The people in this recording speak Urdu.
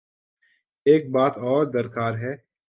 ایک بات اور درکار ہے۔